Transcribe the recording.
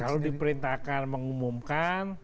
ya kalau diperintahkan mengumumkan